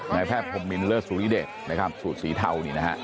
นายแพพพรมินส์เลอร์สรุลิเดทสูตรสีเตา